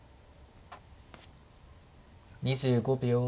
２５秒。